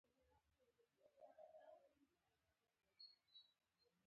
ښوونکی په حقیقت کې د ژوند لارښود دی.